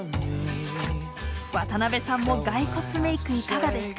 渡辺さんもガイコツメイクいかがですか？